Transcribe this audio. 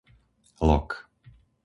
Lok